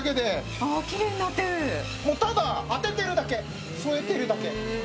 もうただ当ててるだけ添えてるだけ。